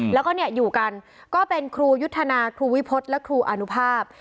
แล้วก็อยู่กันก็เป็นครูยุทธนาครูวิพฤษและครูอนุภาพ